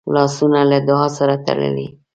لاسونه له دعا سره تړلي دي